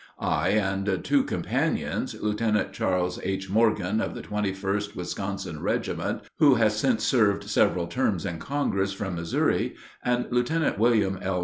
I and two companions Lieutenant Charles H. Morgan of the 21st Wisconsin regiment, who has since served several terms in Congress from Missouri, and Lieutenant William L.